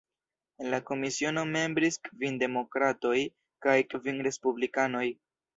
En la komisiono membris kvin Demokratoj kaj kvin Respublikanoj.